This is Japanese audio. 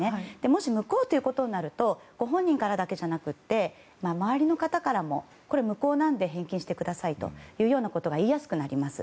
もし無効となるとご本人からだけじゃなくて周りの方からもこれ、無効なので返金してくださいということが言いやすくなります。